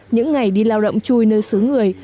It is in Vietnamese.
những ngày đi lao động chui nơi xứ người